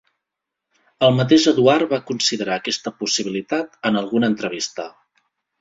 El mateix Eduard va considerar aquesta possibilitat en alguna entrevista.